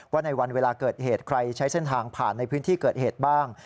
ว่าในวันเวลาเกิดเหตุใครใช้เส้นทางผ่านในพื้นที่เกิดเหตุบ้าง